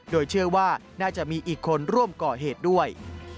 โดยเชื่อว่าน่าจะมีอีกคนร่วมก่อเหตุด้วย